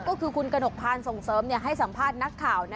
ก็คือคุณกระหนกพานส่งเสริมให้สัมภาษณ์นักข่าว